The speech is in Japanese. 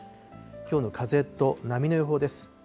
きょうの風と波の予報です。